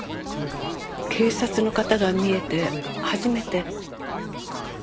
警察の方が見えて初めて一雄の事を。